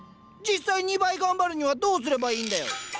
実際２倍頑張るにはどうすればいいんだよ？